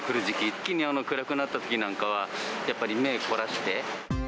一気に暗くなってきたときなんかは、やっぱり目凝らして。